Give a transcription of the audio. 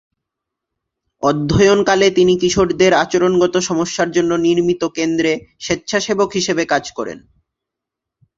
অধ্যয়ন কালে তিনি কিশোরদের আচরণগত সমস্যার জন্য নির্মিত কেন্দ্রে স্বেচ্ছাসেবক হিসেবে কাজ করেন।